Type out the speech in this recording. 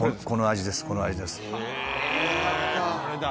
これだ。